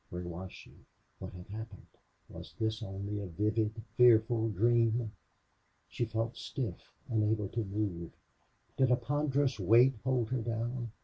Where was she? What had happened? Was this only a vivid, fearful dream? She felt stiff, unable to move. Did a ponderous weight hold her down?